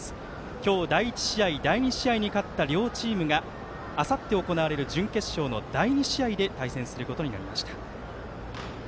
今日第１試合、第２試合に勝った両チームが、あさって行われる準決勝の第２試合で対戦することになりました。